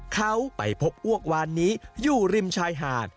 เขาไปพบอ้วกวานนี้อยู่ริมชายหาด